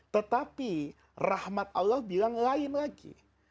tetapi rahmat allah bilang lain lagi